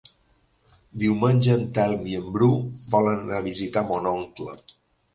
Diumenge en Telm i en Bru volen anar a visitar mon oncle.